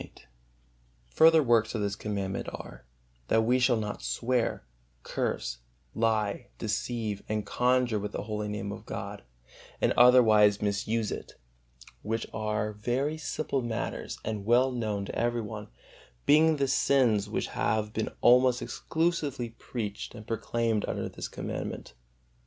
XXVIII. Further works of this Commandment are: that we shall not swear, curse, lie, deceive and conjure with the holy Name of God, and otherwise misuse it; which are very simple matters and well known to every one, being the sins which have been almost exclusively preached and proclaimed under this Commandment.